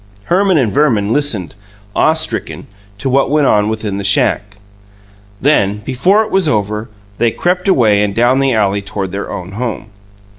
Herman and Verman listened awe stricken to what went on within the shack. Then, before it was over, they crept away and down the alley toward their own home.